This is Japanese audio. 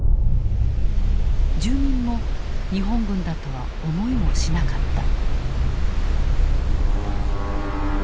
住民も日本軍だとは思いもしなかった。